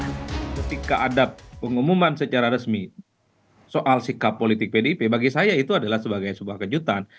ketika ada pengumuman secara resmi soal sikap politik pdip bagi saya itu adalah sebagai sebuah kejutan